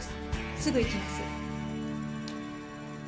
すぐ行きます。